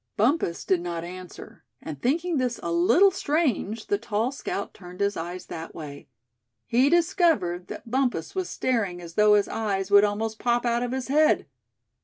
Bumpus did not answer; and thinking this a little strange the tall scout turned his eyes that way. He discovered that Bumpus was staring as though his eyes would almost pop out of his head.